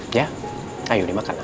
ya ayo dimakan lah